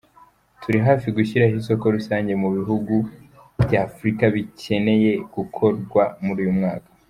Turi hafi gushyiraho isoko rusange mu bihugu bya Afurika, bikeneye gukorwa muri uyu mwaka.